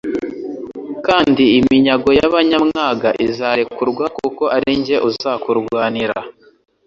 kandi iminyago y'abanyamwaga izarekurwa kuko ari jye uzakurwanira